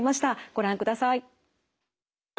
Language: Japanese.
ご覧ください。